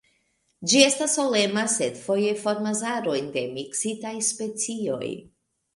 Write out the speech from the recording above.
Ĝi estas solema, sed foje formas arojn de miksitaj specioj.